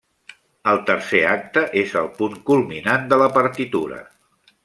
El tercer acte és el punt culminant de la partitura.